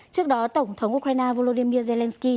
trước đó tổng thống ukraine volodymyr zelensky